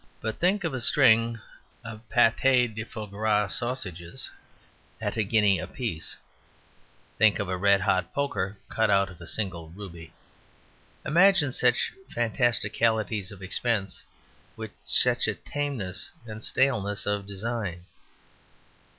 But think of a string of pate de foie gras sausages at a guinea a piece! Think of a red hot poker cut out of a single ruby! Imagine such fantasticalities of expense with such a tameness and staleness of design.